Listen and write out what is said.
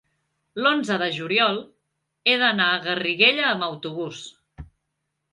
l'onze de juliol he d'anar a Garriguella amb autobús.